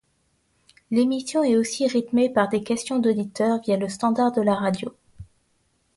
L'émission est aussi rythmée par des questions d'auditeurs via le standard de la radio.